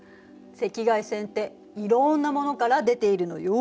赤外線っていろんなものから出ているのよ。